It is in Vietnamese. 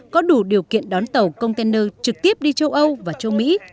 có đủ điều kiện đón tàu container trực tiếp đi châu âu và châu mỹ